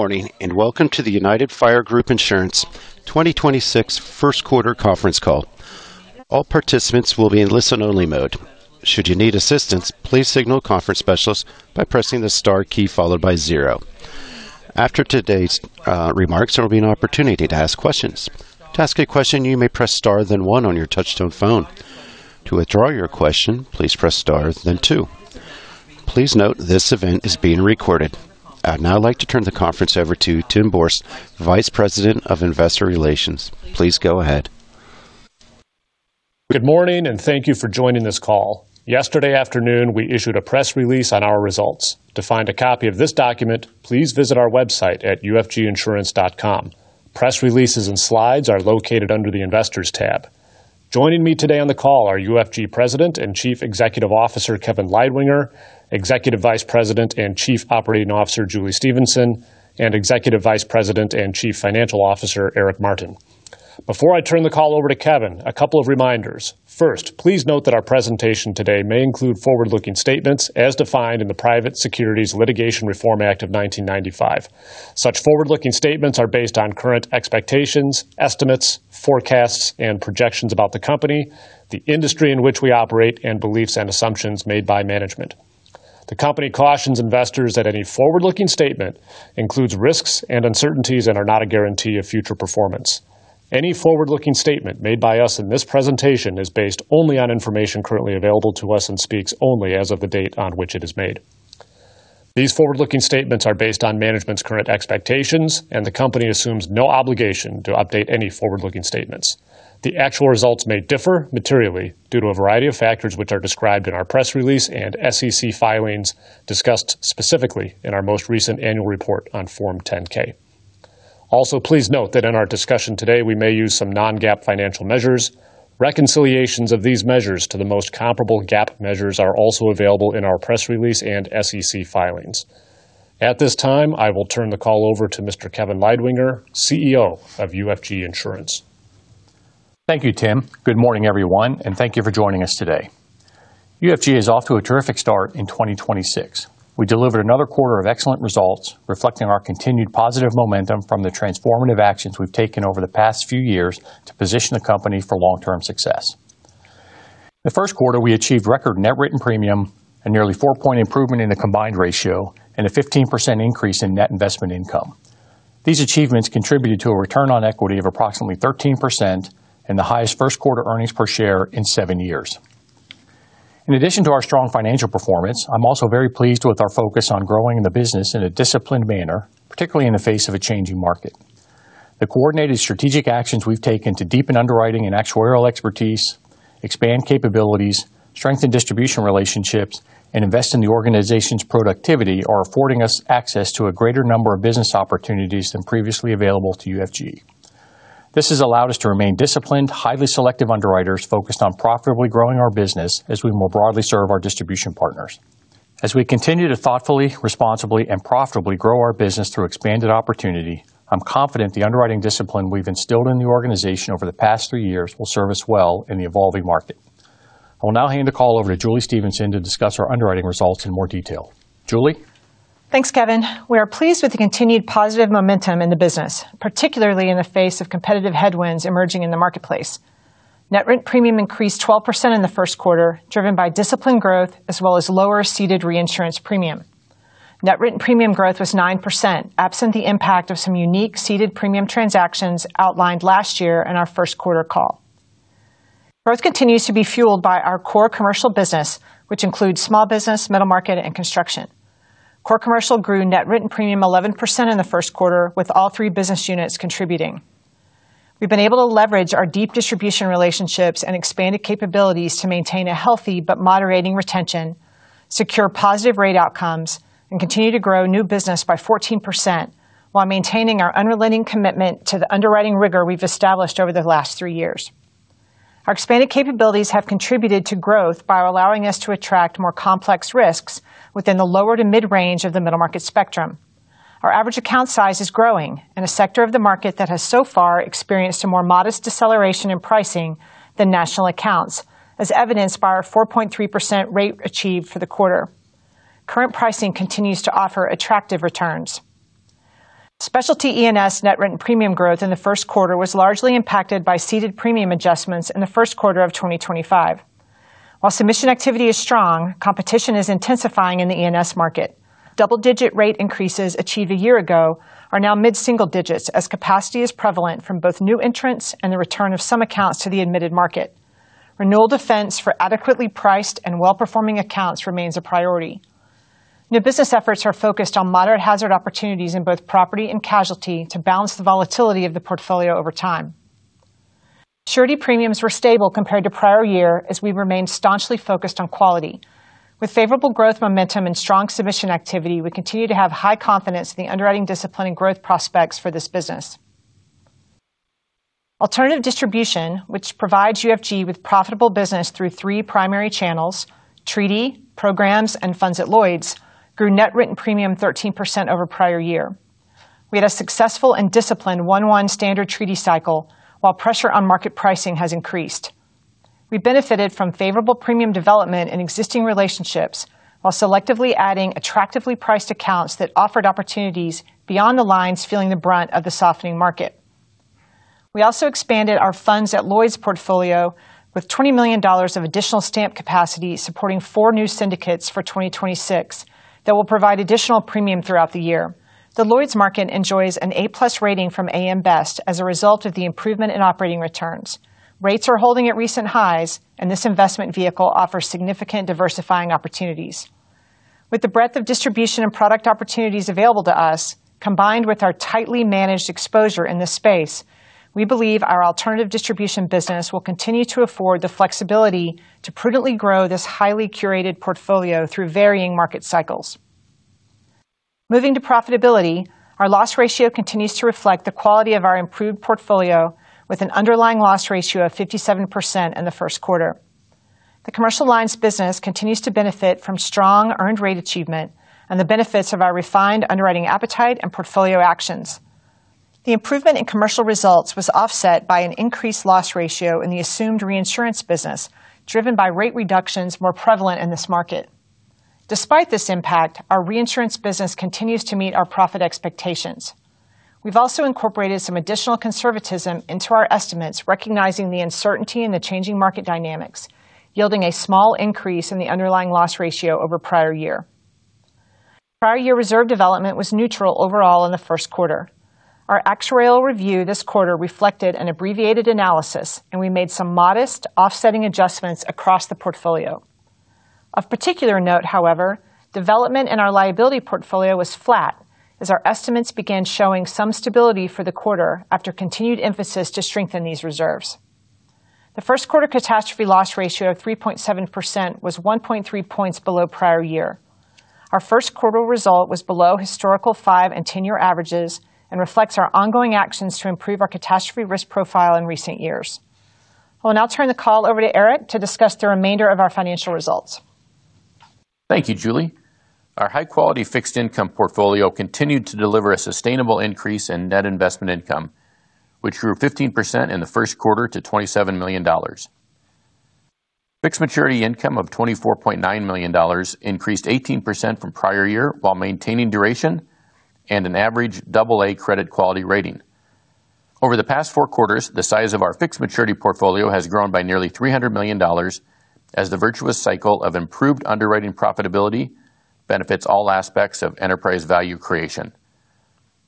Good morning, and welcome to the United Fire Group Insurance 2026 1st quarter conference call. All participants will be in listen-only mode. Should you need assistance, please signal conference specialist by pressing the star key followed by zero. After today's remarks, there will be an opportunity to ask questions. To ask a question, you may press star then one on your touch-tone phone. To withdraw your question, please press star then two. Please note this event is being recorded. I'd now like to turn the conference over to Timothy Borst, Vice President of Investor Relations. Please go ahead. Good morning, and thank you for joining this call. Yesterday afternoon, we issued a press release on our results. To find a copy of this document, please visit our website at ufginsurance.com. Press releases and slides are located under the Investors tab. Joining me today on the call are UFG President and Chief Executive Officer, Kevin Leidwinger, Executive Vice President and Chief Operating Officer, Julie Stephenson, and Executive Vice President and Chief Financial Officer, Eric Martin. Before I turn the call over to Kevin, a couple of reminders. First, please note that our presentation today may include forward-looking statements as defined in the Private Securities Litigation Reform Act of 1995. Such forward-looking statements are based on current expectations, estimates, forecasts, and projections about the company, the industry in which we operate, and beliefs and assumptions made by management. The company cautions investors that any forward-looking statement includes risks and uncertainties that are not a guarantee of future performance. Any forward-looking statement made by us in this presentation is based only on information currently available to us and speaks only as of the date on which it is made. These forward-looking statements are based on management's current expectations, and the company assumes no obligation to update any forward-looking statements. The actual results may differ materially due to a variety of factors, which are described in our press release and SEC filings discussed specifically in our most recent annual report on Form 10-K. Also, please note that in our discussion today, we may use some non-GAAP financial measures. Reconciliations of these measures to the most comparable GAAP measures are also available in our press release and SEC filings. At this time, I will turn the call over to Mr. Kevin Leidwinger, CEO of UFG Insurance. Thank you, Tim. Good morning, everyone, and thank you for joining us today. UFG is off to a terrific start in 2026. We delivered another quarter of excellent results, reflecting our continued positive momentum from the transformative actions we've taken over the past few years to position the company for long-term success. The first quarter, we achieved record net written premium and nearly four-point improvement in the combined ratio and a 15% increase in net investment income. These achievements contributed to a return on equity of approximately 13% and the highest first quarter earnings per share in seven years. In addition to our strong financial performance, I'm also very pleased with our focus on growing the business in a disciplined manner, particularly in the face of a changing market. The coordinated strategic actions we've taken to deepen underwriting and actuarial expertise, expand capabilities, strengthen distribution relationships, and invest in the organization's productivity are affording us access to a greater number of business opportunities than previously available to UFG. This has allowed us to remain disciplined, highly selective underwriters focused on profitably growing our business as we more broadly serve our distribution partners. As we continue to thoughtfully, responsibly, and profitably grow our business through expanded opportunity, I'm confident the underwriting discipline we've instilled in the organization over the past three years will serve us well in the evolving market. I will now hand the call over to Julie Stephenson to discuss our underwriting results in more detail. Julie? Thanks, Kevin. We are pleased with the continued positive momentum in the business, particularly in the face of competitive headwinds emerging in the marketplace. Net written premium increased 12% in the first quarter, driven by disciplined growth as well as lower ceded reinsurance premium. Net written premium growth was 9%, absent the impact of some unique ceded premium transactions outlined last year in our first quarter call. Growth continues to be fueled by our Core Commercial business, which includes small business, middle market, and construction. Core Commercial grew net written premium 11% in the first quarter, with all three business units contributing. We've been able to leverage our deep distribution relationships and expanded capabilities to maintain a healthy but moderating retention, secure positive rate outcomes, and continue to grow new business by 14% while maintaining our unrelenting commitment to the underwriting rigor we've established over the last three years. Our expanded capabilities have contributed to growth by allowing us to attract more complex risks within the lower to mid-range of the middle market spectrum. Our average account size is growing in a sector of the market that has so far experienced a more modest deceleration in pricing than national accounts, as evidenced by our 4.3% rate achieved for the quarter. Current pricing continues to offer attractive returns. Specialty E&S net written premium growth in the first quarter was largely impacted by ceded premium adjustments in the first quarter of 2025. While submission activity is strong, competition is intensifying in the E&S market. Double-digit rate increases achieved a year ago are now mid-single digits as capacity is prevalent from both new entrants and the return of some accounts to the admitted market. Renewal defense for adequately priced and well-performing accounts remains a priority. New business efforts are focused on moderate hazard opportunities in both property and casualty to balance the volatility of the portfolio over time. Surety premiums were stable compared to prior year as we remained staunchly focused on quality. With favorable growth momentum and strong submission activity, we continue to have high confidence in the underwriting discipline and growth prospects for this business. Alternative distribution, which provides UFG with profitable business through three primary channels, treaty, programs, and Funds at Lloyd's, grew net written premium 13% over prior year. We had a successful and disciplined 1/1 standard treaty cycle while pressure on market pricing has increased. We benefited from favorable premium development in existing relationships while selectively adding attractively priced accounts that offered opportunities beyond the lines feeling the brunt of the softening market. We also expanded our Funds at Lloyd's portfolio with $20 million of additional stamp capacity, supporting four new syndicates for 2026 that will provide additional premium throughout the year. The Lloyd's market enjoys an A+ rating from AM Best as a result of the improvement in operating returns. This investment vehicle offers significant diversifying opportunities. With the breadth of distribution and product opportunities available to us, combined with our tightly managed exposure in this space, we believe our alternative distribution business will continue to afford the flexibility to prudently grow this highly curated portfolio through varying market cycles. Moving to profitability, our loss ratio continues to reflect the quality of our improved portfolio with an underlying loss ratio of 57% in the first quarter. The commercial lines business continues to benefit from strong earned rate achievement and the benefits of our refined underwriting appetite and portfolio actions. The improvement in commercial results was offset by an increased loss ratio in the assumed reinsurance business, driven by rate reductions more prevalent in this market. Despite this impact, our reinsurance business continues to meet our profit expectations. We've also incorporated some additional conservatism into our estimates, recognizing the uncertainty in the changing market dynamics, yielding a small increase in the underlying loss ratio over prior year. Prior year reserve development was neutral overall in the first quarter. Our actuarial review this quarter reflected an abbreviated analysis. We made some modest offsetting adjustments across the portfolio. Of particular note, however, development in our liability portfolio was flat as our estimates began showing some stability for the quarter after continued emphasis to strengthen these reserves. The first quarter catastrophe loss ratio of 3.7% was 1.3 points below prior year. Our first quarter result was below historical five and 10-year averages and reflects our ongoing actions to improve our catastrophe risk profile in recent years. I will now turn the call over to Eric to discuss the remainder of our financial results. Thank you, Julie. Our high-quality fixed income portfolio continued to deliver a sustainable increase in net investment income, which grew 15% in the first quarter to $27 million. Fixed maturity income of $24.9 million increased 18% from prior year while maintaining duration and an average double A credit quality rating. Over the past four quarters, the size of our fixed maturity portfolio has grown by nearly $300 million as the virtuous cycle of improved underwriting profitability benefits all aspects of enterprise value creation.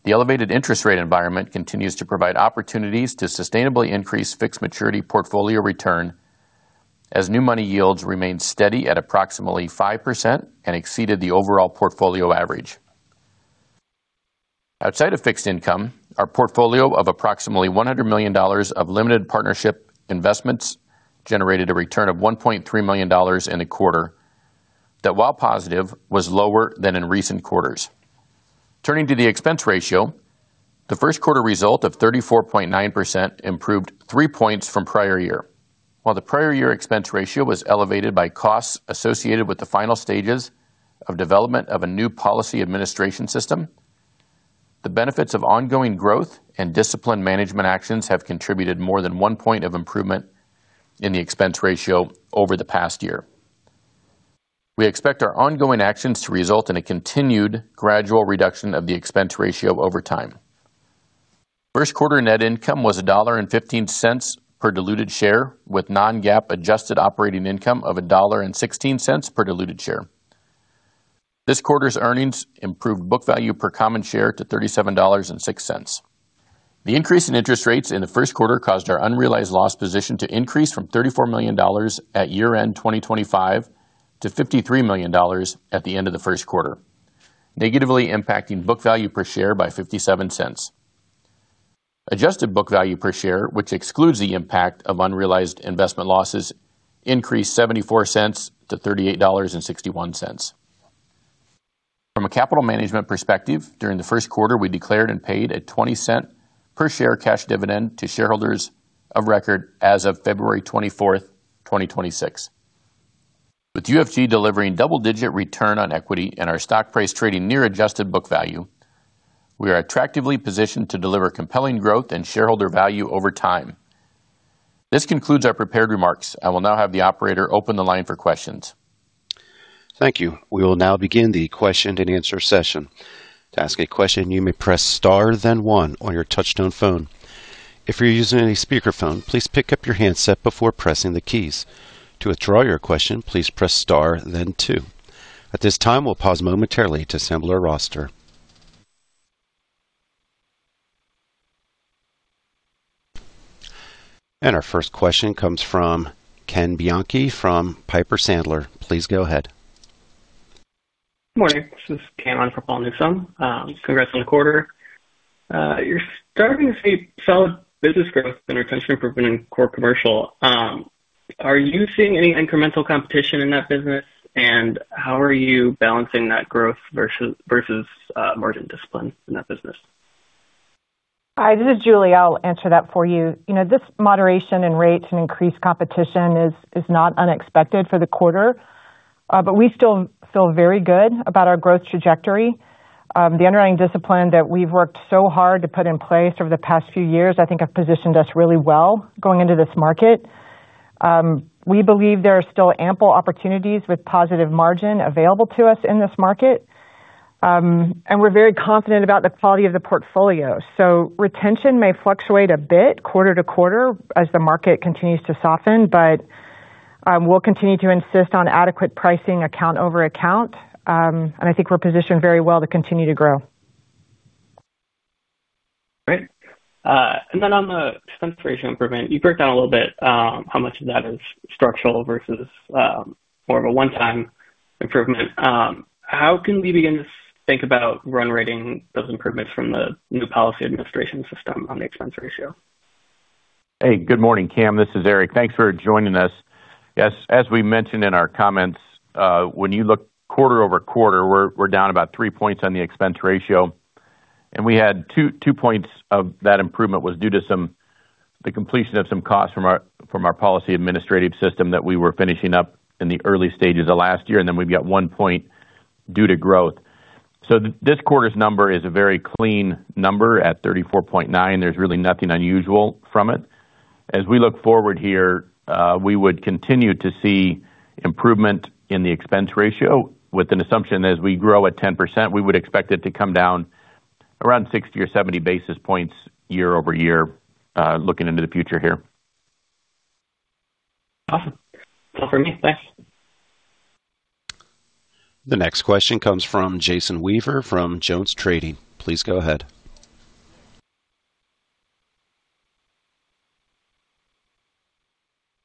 The elevated interest rate environment continues to provide opportunities to sustainably increase fixed maturity portfolio return as new money yields remain steady at approximately 5% and exceeded the overall portfolio average. Outside of fixed income, our portfolio of approximately $100 million of limited partnership investments generated a return of $1.3 million in a quarter that while positive, was lower than in recent quarters. Turning to the expense ratio, the first quarter result of 34.9% improved three points from prior year. While the prior year expense ratio was elevated by costs associated with the final stages of development of a new policy administration system, the benefits of ongoing growth and disciplined management actions have contributed more than one point of improvement in the expense ratio over the past year. We expect our ongoing actions to result in a continued gradual reduction of the expense ratio over time. First quarter net income was $1.15 per diluted share, with non-GAAP adjusted operating income of $1.16 per diluted share. This quarter's earnings improved book value per common share to $37.06. The increase in interest rates in the first quarter caused our unrealized loss position to increase from $34 million at year-end 2025 to $53 million at the end of the first quarter, negatively impacting book value per share by $0.57. Adjusted book value per share, which excludes the impact of unrealized investment losses, increased $0.74 to $38.61. From a capital management perspective, during the first quarter, we declared and paid a $0.20 per share cash dividend to shareholders of record as of February 24, 2026. With UFG delivering double-digit return on equity and our stock price trading near adjusted book value, we are attractively positioned to deliver compelling growth and shareholder value over time. This concludes our prepared remarks. I will now have the operator open the line for questions. Thank you. We will now begin the question and answer session. Our first question comes from Ken Bianchi from Piper Sandler. Please go ahead. Morning, this is Ken on for Paul Newsom. Congrats on the quarter. You're starting to see solid business growth in your underwriting improvement in Core Commercial. Are you seeing any incremental competition in that business? How are you balancing that growth versus margin discipline in that business? Hi, this is Julie. I'll answer that for you. You know, this moderation in rates and increased competition is not unexpected for the quarter. We still feel very good about our growth trajectory. The underlying discipline that we've worked so hard to put in place over the past few years, I think have positioned us really well going into this market. We believe there are still ample opportunities with positive margin available to us in this market. We're very confident about the quality of the portfolio. Retention may fluctuate a bit quarter to quarter as the market continues to soften, but we'll continue to insist on adequate pricing account over account. I think we're positioned very well to continue to grow. Great. On the expense ratio improvement, you broke down a little bit, how much of that is structural versus, more of a one-time improvement. How can we begin to think about run rating those improvements from the new policy administration system on the expense ratio? Hey, good morning, Ken. This is Eric. Thanks for joining us. Yes, as we mentioned in our comments, when you look quarter-over-quarter, we're down about three points on the expense ratio, and we had two points of that improvement was due to the completion of some costs from our policy administration system that we were finishing up in the early stages of last year, and then we've got one point due to growth. This quarter's number is a very clean number at 34.9. There's really nothing unusual from it. As we look forward here, we would continue to see improvement in the expense ratio with an assumption as we grow at 10%, we would expect it to come down around 60 or 70 basis points year-over-year, looking into the future here. Awesome. That's all for me. Thanks. The next question comes from Jason Weaver from JonesTrading. Please go ahead.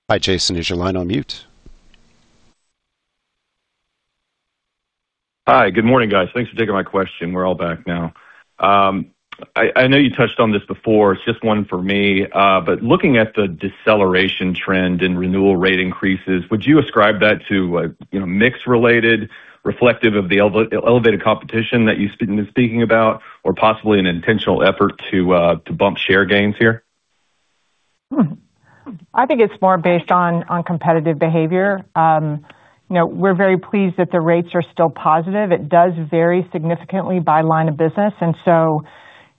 Hi, Jason. Is your line on mute? Hi. Good morning, guys. Thanks for taking my question. We're all back now. I know you touched on this before, it's just one for me. Looking at the deceleration trend and renewal rate increases, would you ascribe that to a, you know, mix related reflective of the elevated competition that you've been speaking about or possibly an intentional effort to bump share gains here? I think it's more based on competitive behavior. You know, we're very pleased that the rates are still positive. It does vary significantly by line of business, so,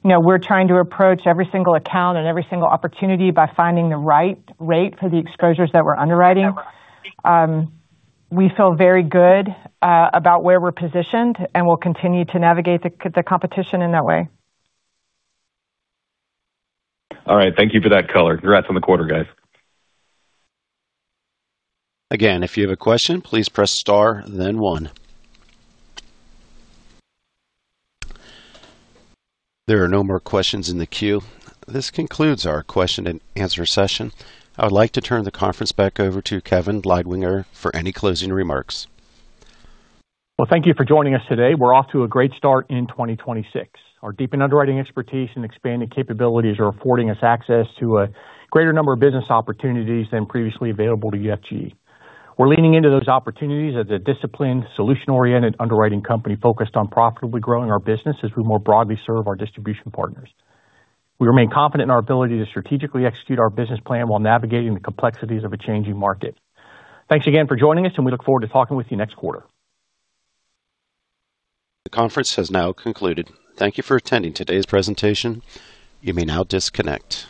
you know, we're trying to approach every single account and every single opportunity by finding the right rate for the exposures that we're underwriting. We feel very good about where we're positioned, and we'll continue to navigate the competition in that way. All right. Thank you for that color. Congrats on the quarter, guys. I would like to turn the conference back over to Kevin Leidwinger for any closing remarks. Well, thank you for joining us today. We're off to a great start in 2026. Our deepened underwriting expertise and expanding capabilities are affording us access to a greater number of business opportunities than previously available to UFG. We're leaning into those opportunities as a disciplined, solution-oriented underwriting company focused on profitably growing our business as we more broadly serve our distribution partners. We remain confident in our ability to strategically execute our business plan while navigating the complexities of a changing market. Thanks again for joining us, and we look forward to talking with you next quarter. The conference has now concluded. Thank you for attending today's presentation. You may now disconnect.